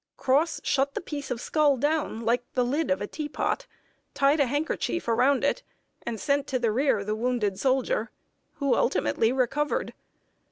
Cross shut the piece of skull down like the lid of a teapot, tied a handkerchief around it, and sent to the rear the wounded soldier, who ultimately recovered.